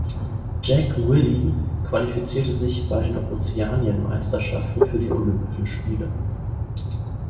Jack Willie qualifizierte sich bei den Ozeanienmeisterschaften für die Olympischen Spiele